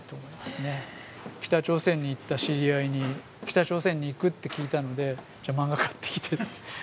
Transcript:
北朝鮮に行った知り合いに北朝鮮に行くって聞いたので「じゃあマンガ買ってきて」。